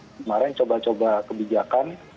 kemarin coba coba kebijakan